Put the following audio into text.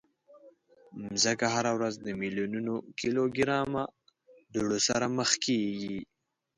مځکه هره ورځ د میلیونونو کیلوګرامه دوړو سره مخ کېږي.